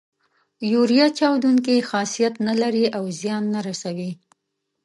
یوریا چاودیدونکی خاصیت نه لري او زیان نه رسوي.